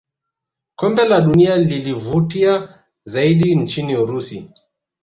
kombe la dunia lilivutia zaidi nchini urusi